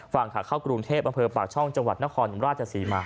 ฝั่งขักเข้ากรุงเทพบปากช่องจนครราชสีมา